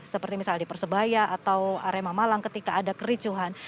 seperti misalnya di persebaya atau arema malang ketika ada kericuhan